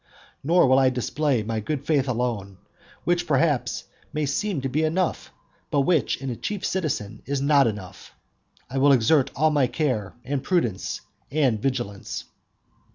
Nor will I display my good faith alone, which perhaps may seem to be enough, but which in a chief citizen is not enough; I will exert all my care, and prudence, and vigilance.